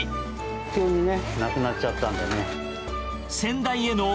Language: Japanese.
急にね、亡くなっちゃったんでね。